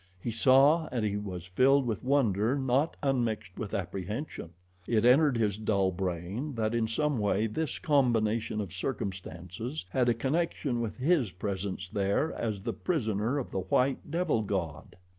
He saw and he was filled with wonder not unmixed with apprehension. It entered his dull brain that in some way this combination of circumstances had a connection with his presence there as the prisoner of the white devil god.